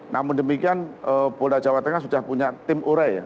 namun demikian polda jawa tengah sudah punya tim ure ya